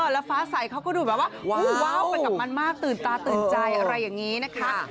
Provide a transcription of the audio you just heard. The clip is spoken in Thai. แล้วฟ้าใสเขาก็ดูแบบว่าว้าวไปกับมันมากตื่นตาตื่นใจอะไรอย่างนี้นะคะ